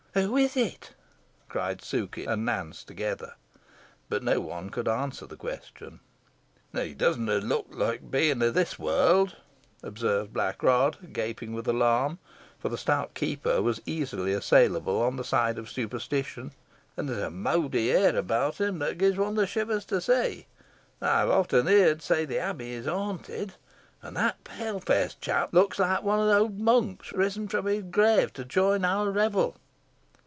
"Who is it?" cried Sukey and Nance together. But no one could answer the question. "He dusna look loike a bein' o' this warld," observed Blackrod, gaping with alarm, for the stout keeper was easily assailable on the side of superstition; "an there is a mowdy air about him, that gies one the shivers to see. Ey've often heer'd say the Abbey is haanted; an that pale feaced chap looks like one o' th' owd monks risen fro' his grave to join our revel."